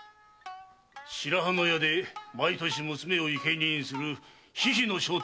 白羽の矢で毎年娘を生贄にする狒々の正体